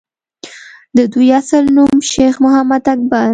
دَدوي اصل نوم شېخ محمد اکبر